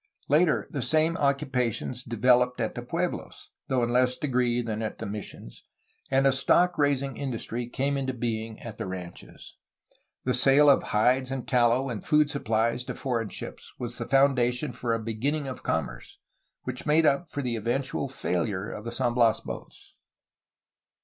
Later, the same occupations developed at the pueblos, though in less degree than at the missions, and a stock raising industry came into being at the ranches. The sale of hides and tallow and food supplies to foreign ships was the foundation for a beginning of commerce, which made up for the eventual failure of the San Bias boats.